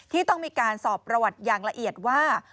ที่ต้องมีการสอบประวัติอย่างละเอียดว่า